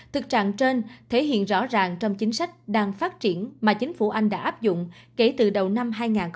thực trạng trên thể hiện rõ ràng trong chính sách đang phát triển mà chính phủ anh đã áp dụng kể từ đầu năm hai nghìn một mươi ba